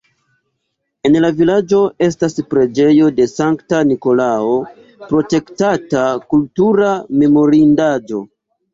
En la vilaĝo estas preĝejo de Sankta Nikolao, protektata kultura memorindaĵo.